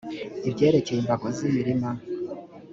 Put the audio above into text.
ibyerekeye imbago z’imirima